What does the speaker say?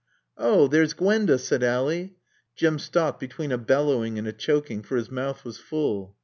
"Oh there's Gwenda!" said Ally. Jim stopped between a bellowing and a choking, for his mouth was full.